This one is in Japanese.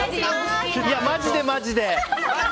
マジでマジで！